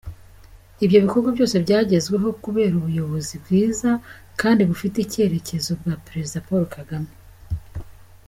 Ibyo bikorwa byose byagezweho kubera ubuyobozi bwiza kandi bufite icyerekezo bwa Pereziza Paul Kagame.